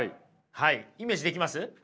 はいイメージできます？